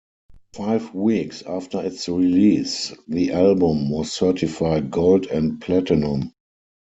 Five weeks after its release, the album was certified gold and platinum.